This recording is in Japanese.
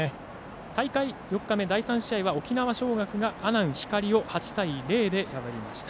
大会４日目、第３試合は沖縄尚学が阿南光を８対０で破りました。